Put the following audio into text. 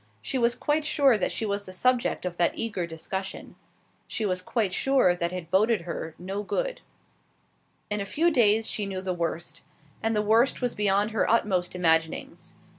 She was quite sure that she was the subject of that eager discussion. She was quite sure that it boded her no good. In a few days she knew the worst; and the worst was beyond her utmost imaginings.